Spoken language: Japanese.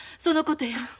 そのことや。